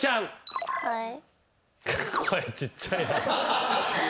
はい。